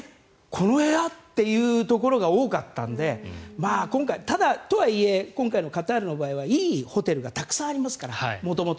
この部屋？というところが多かったのでまあ、今回ただ、とはいえ今回のカタールはいいホテルがたくさんありますから元々。